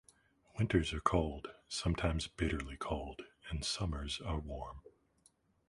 Winters are cold, sometimes bitterly cold, and summers are warm.